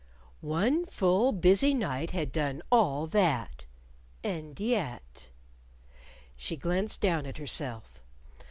One full busy night had done all that! And yet She glanced down at herself.